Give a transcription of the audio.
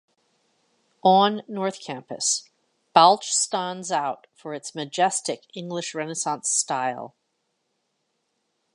On North Campus, Balch stands out for its majestic English Renaissance style.